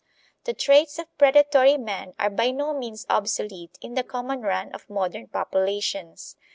The traits of predatory man are by no means obsolete in the common run of modern populations.